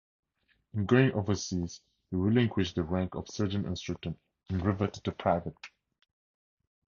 In going overseas he relinquished the rank of Sergeant Instructor and reverted to Private.